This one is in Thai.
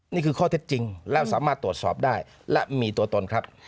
นี่คือข้อเท็จจริงและสามารถตรวจสอบได้และมีตัวตนครับ